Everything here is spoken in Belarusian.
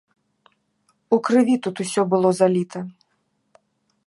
У крыві тут усё было заліта.